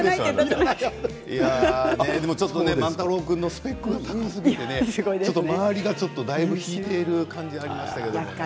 ちょっと万太郎君のスペックが高すぎて周りがだいぶ引いている感じがありましたね。